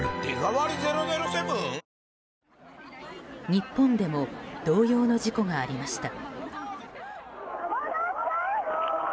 日本でも同様の事故がありました。